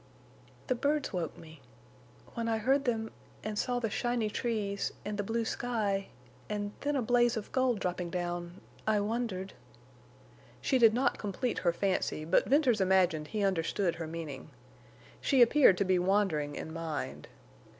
"The birds woke me. When I heard them—and saw the shiny trees—and the blue sky—and then a blaze of gold dropping down—I wondered—" She did not complete her fancy, but Venters imagined he understood her meaning. She appeared to be wandering in mind.